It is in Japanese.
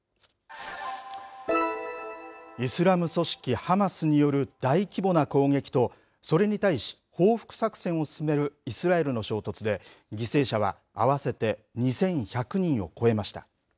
イスラム組織ハマスによる大規模な攻撃と、それに対し、報復作戦を進めるイスラエルの衝突で、犠牲者は合わせて２１００人を超えました。